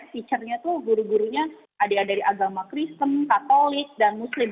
teachernya tuh guru gurunya adik adik dari agama kristen katolik dan muslim